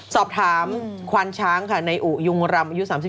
สอบถามควานช้างค่ะในอุยุงรำอายุ๓๒